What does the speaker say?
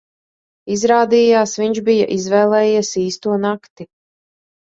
Izrādījās, viņš bija izvēlējies īsto nakti.